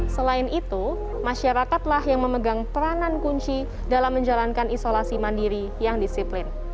selain itu masyarakatlah yang memegang peranan kunci dalam menjalankan isolasi mandiri yang disiplin